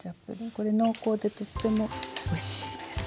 これ濃厚でとってもおいしいですよね。